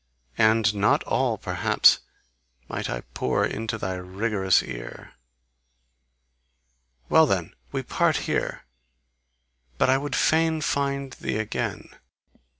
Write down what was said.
And not all, perhaps, might I pour into thy rigorous ear! Well then! We part here! But I would fain find thee again.